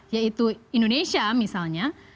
yaitu indonesia misalnya